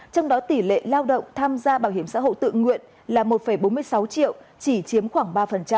trong đó tỷ lệ lao động tham gia bảo hiểm xã hội tự nguyện là một bốn mươi sáu triệu chỉ chiếm khoảng ba